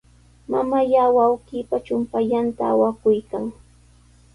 Mamallaa wawqiipa chumpallanta awakuykan.